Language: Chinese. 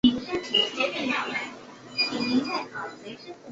五次方程是一种最高次数为五次的多项式方程。